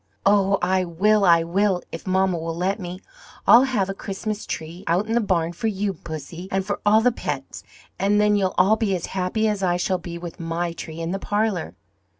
"Oh! I will, I will! if mamma will let me. I'll have a Christmas tree out in the bam for you, Pussy, and for all the pets; and then you'll all be as happy as I shall be with my tree in the parlour."